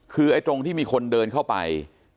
คือไอ้ตรงที่มีคนเดินเข้าไป